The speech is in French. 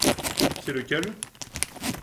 C’est lequel ?